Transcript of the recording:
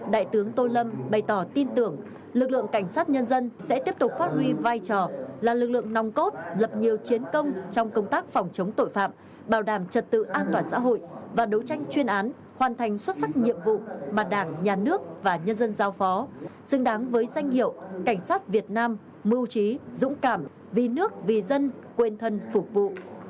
đại tướng tô lâm bày tỏ tin tưởng lực lượng cảnh sát nhân dân sẽ tiếp tục phát huy vai trò là lực lượng nòng cốt lập nhiều chiến công trong công tác phòng chống tội phạm bảo đảm trật tự an toàn xã hội và đấu tranh chuyên án hoàn thành xuất sắc nhiệm vụ mà đảng nhà nước và nhân dân giao phó xứng đáng với danh hiệu cảnh sát việt nam mưu trí dũng cảm vì nước vì dân quên thân phục vụ